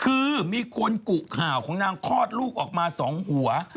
คือมีคนกุข่าวของนางคลอดลูกออกมา๒หัว